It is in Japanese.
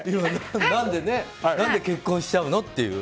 何で結婚しちゃうの？って。